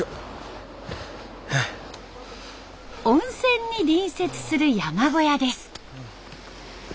温泉に隣接する山小屋です。